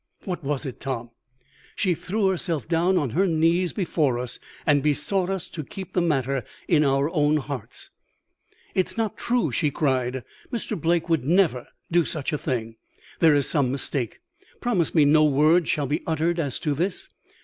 "What was it, Tom?" She threw herself down on her knees before us, and besought us to keep the matter in our own hearts. "'It is not true!' she cried; 'Mr. Blake would never do such a thing. There is some mistake. Promise me no word shall be uttered as to this.